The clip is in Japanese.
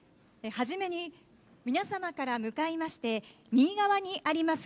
はじめに、皆様から向かいまして右側にあります